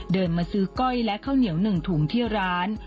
เดินมาซื้อก้อยและข้าวเหนียว๑ถุงที่ร้าน